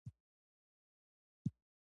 آیا موږ کولای شو غوره بدیلونه پیدا کړو؟